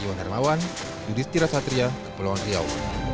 iwan hermawan yudhistira satria kepulauan riau